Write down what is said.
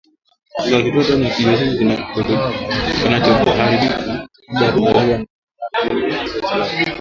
Kuzika kitoto au kijusi kilichoharibika kabla ya kuzaliwa na viungo vingine kwa njia salama